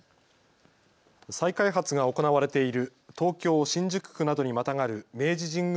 再開発が行われている東京新宿区などにまたがる明治神宮